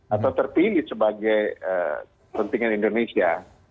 atau terpilih sebagai pentingan indonesia